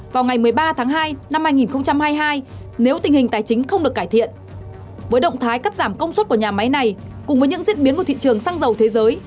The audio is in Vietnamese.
với động thái cắt giảm công suất của nhà máy này cùng với những diễn biến của thị trường xăng dầu thế giới